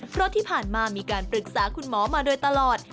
เพราะที่ผ่านมามีการปรึกษาคุณหมอมาโดยตลอด